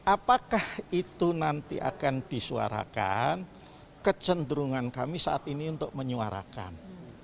apakah itu nanti akan disuarakan kecenderungan kami saat ini untuk menyuarakan